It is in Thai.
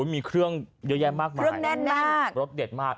มีเครื่องเยอะแยะมากมายนานมากรสเย็ดมาก